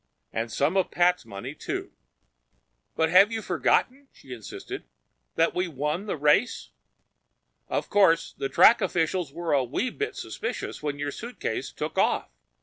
And some of Pat's money, too." "But have you forgotten," she insisted, "that we won the race? Of course the track officials were a wee bit suspicious when your suitcase took off.